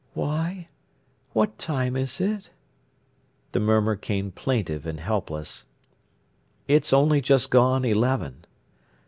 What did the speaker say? "Why, what time is it?" The murmur came plaintive and helpless. "It's only just gone eleven."